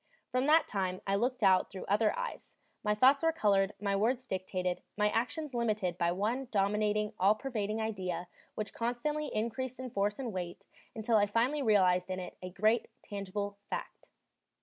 From that time I looked out through other eyes, my thoughts were colored, my words dictated, my actions limited by one dominating, all pervading idea which constantly increased in force and weight until I finally realized in it a great, tangible fact.